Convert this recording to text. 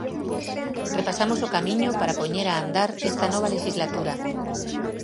Repasamos o camiño para poñer a andar esta nova lexislatura.